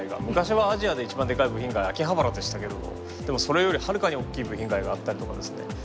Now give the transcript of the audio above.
昔はアジアで一番でかい部品街は秋葉原でしたけどもそれよりはるかに大きい部品街があったりとかですね